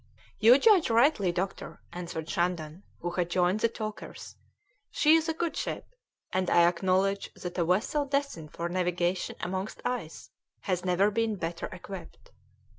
"You judge rightly, doctor," answered Shandon, who had joined the talkers; "she is a good ship, and I acknowledge that a vessel destined for navigation amongst ice has never been better equipped.